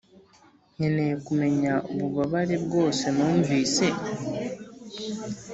nkeneye kumenya ububabare bwose numvise,